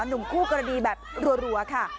หนุ่มคู่กรณีแบบรัวค่ะ